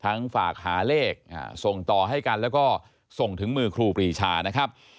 ฝากหาเลขส่งต่อให้กันแล้วก็ส่งถึงมือครูปรีชานะครับ